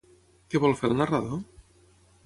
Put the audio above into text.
Què vol fer el narrador?